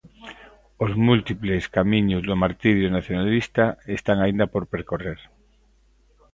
Os múltiples camiños do martirio nacionalista están aínda por percorrer.